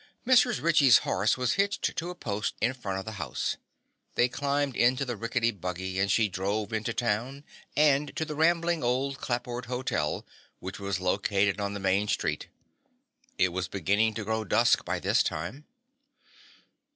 Mrs. Ritchie's horse was hitched to a post in front of the house. They climbed into the rickety buggy and she drove into town and to the rambling old clapboard hotel, which was located on the main street. It was beginning to grow dusk by this time.